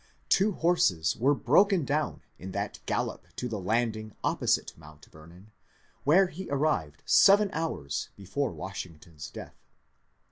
Two horses were broken down in that gallop to the landing opposite Mount Vernon, where he arrived seven hours before Washington's death.